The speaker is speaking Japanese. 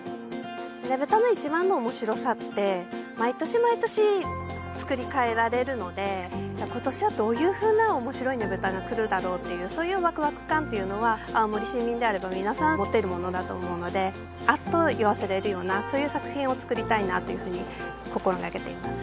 ねぶたの一番の面白さって毎年毎年作り替えられるので今年はどういう風な面白いねぶたが来るだろうっていうそういうわくわく感っていうのは青森市民であればみなさん持っているものだと思うのであっと言わせれるようなそういう作品を作りたいなというふうに心がけています